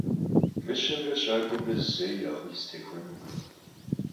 Мыщэмрэ щакӏуэмрэ зэи я акъыл зэтехуэнукъым.